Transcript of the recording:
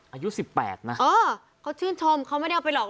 อายุสิบแปดเออเขาที่ชื่นชมเขาไม่ได้เอาไปหรอก